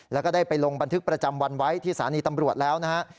แล้วก็ได้ไปลงบันทึกประจำวันไว้ที่สถานีตำรวจแล้วนะฮะ